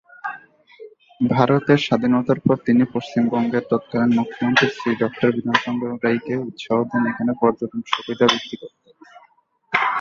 ভারতের স্বাধীনতার পর তিনি পশ্চিমবঙ্গের তৎকালীন মুখ্যমন্ত্রী শ্রী ডঃ বিধানচন্দ্র রায়কে উৎসাহ দেন এখানে পর্যটন সুবিধা বৃদ্ধি করতে।